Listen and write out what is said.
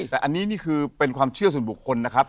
แต่อันนี้นี่คือเป็นความเชื่อส่วนบุคคลนะครับ